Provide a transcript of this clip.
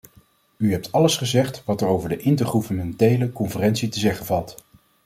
U hebt alles gezegd wat er over de intergouvernementele conferentie te zeggen valt.